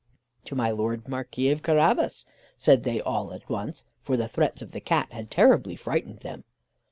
"To my Lord Marquis of Carabas," said they all at once; for the threats of the Cat had terribly frightened them.